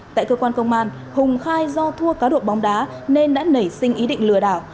tại cơ quan công an hùng khai do thua cá độ bóng đá nên đã nảy sinh ý định lừa đảo